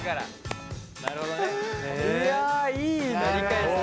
いやいいね。